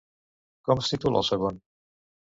Com es titula el segon?